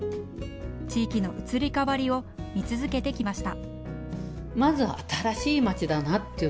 地域の移り変わりを見続けてきました。